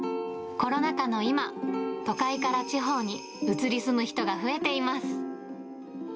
コロナ禍の今、都会から地方に移り住む人が増えています。